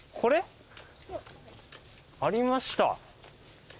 ありました。